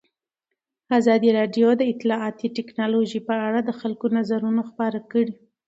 ازادي راډیو د اطلاعاتی تکنالوژي په اړه د خلکو نظرونه خپاره کړي.